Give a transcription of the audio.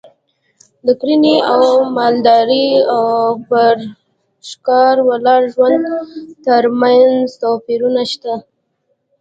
د کرنې او مالدارۍ او پر ښکار ولاړ ژوند ترمنځ توپیرونه شته